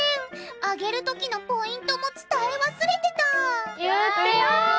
揚げるときのポイントも伝え忘れてた言ってよ。